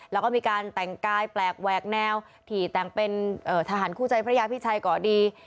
แล้วก็มีการแต่งกายแปลกแหวกแนวถี่แต่งเป็นทหารคู่ใจพระยาพิชัยก่อดี